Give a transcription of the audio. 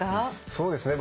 そうですね。